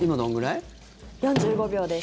４５秒です。